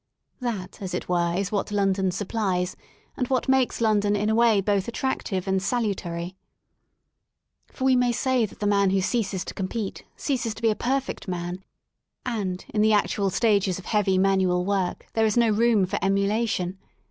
That, as it were, is what London supplies, and what makes London in a way both attractive and salutary. For we may say that the man who ceases to compete ceases to be a perfect man, and, in the actual stages of heavy manual work there is no room for emulation.